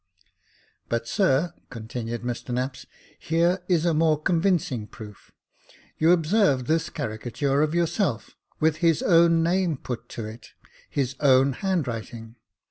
" But sir," continued Mr Knapps, here is a more convincing proof. You observe this caricature of your self, with his own name put to it — his own handwriting.